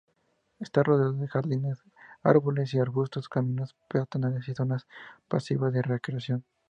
Está rodeado de jardines, árboles y arbustos, caminos peatonales y zonas pasivas de recreación.